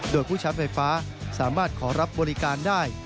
โดยผู้ชาร์จไฟฟ้าสามารถขอรับบริการได้